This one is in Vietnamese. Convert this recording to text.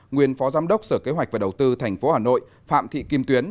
nguyên phó giám đốc sở kế hoạch và đầu tư tp hà nội phạm thị kim tuyến